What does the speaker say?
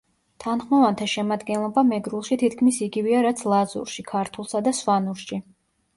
თანხმოვანთა შემადგენლობა მეგრულში თითქმის იგივეა, რაც ლაზურში, ქართულსა და სვანურში.